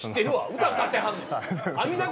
歌歌ってはんねん。